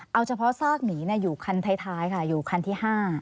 เอาเฉพาะซากหมีอยู่คันท้ายค่ะอยู่คันที่๕